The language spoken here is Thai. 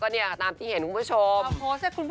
เนี่ยตามที่เห็นคุณผู้ชม